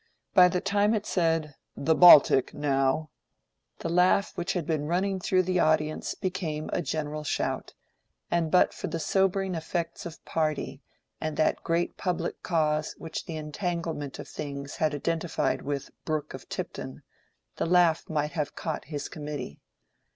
By the time it said, "The Baltic, now," the laugh which had been running through the audience became a general shout, and but for the sobering effects of party and that great public cause which the entanglement of things had identified with "Brooke of Tipton," the laugh might have caught his committee.